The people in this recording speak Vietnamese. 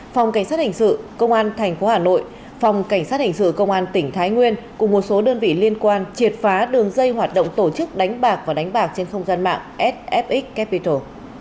phòng cảnh sát hành sự công an thành phố hà nội phòng cảnh sát hành sự công an tỉnh thái nguyên cùng một số đơn vị liên quan triệt phá đường dây hoạt động tổ chức đánh bạc và đánh bạc trên không gian mạng sfx capital